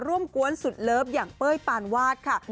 กวนสุดเลิฟอย่างเป้ยปานวาดค่ะ